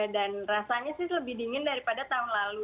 dan rasanya sih lebih dingin daripada tahun lalu